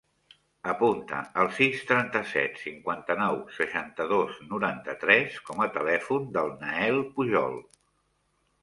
Apunta el sis, trenta-set, cinquanta-nou, seixanta-dos, noranta-tres com a telèfon del Nael Pujol.